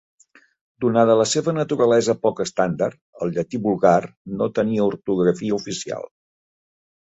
Donada la seva naturalesa poc estàndard, el llatí vulgar no tenia ortografia oficial.